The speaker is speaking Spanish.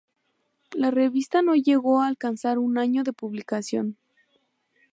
La revista no llegó a alcanzar un año de publicación.